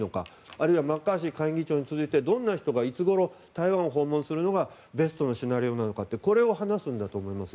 あるいはマッカーシー下院議長に続いてどんな人がいつごろ台湾を訪問するのがベストのシナリオなのかを話すんだと思います。